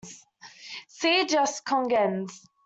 See jus cogens.